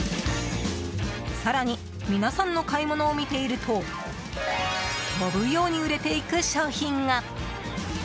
更に皆さんの買い物を見ていると飛ぶように売れていく商品が。